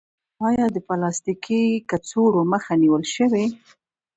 آیا د پلاستیکي کڅوړو مخه نیول شوې؟